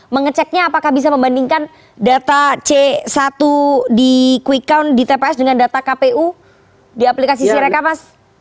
mengeceknya apakah bisa membandingkan data c satu di quick count di tps dengan data kpu di aplikasi sireka mas